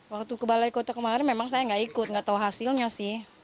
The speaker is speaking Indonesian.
waktu ke balai kota kemarin memang saya nggak ikut nggak tahu hasilnya sih